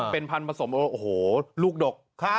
เป็นพันธุผสมโอ้โหลูกดก